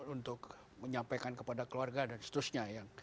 untuk menyampaikan kepada keluarga dan seterusnya